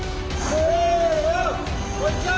・せの！